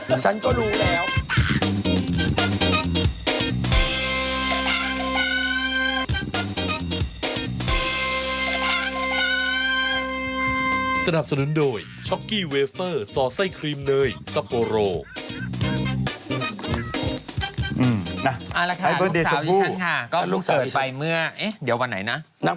เอาละค่ะลูกสาวที่ฉันค่ะก็ลูกเกิดไปเมื่อเอ๊ะเดี๋ยววันไหนนะ